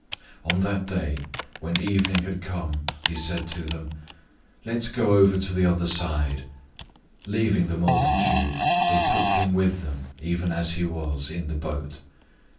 004:035 On that day, when evening had come, he said to them, "Let's go over to the other side." 004:036 Leaving the multitude, they took him with them, even as he was, in the boat.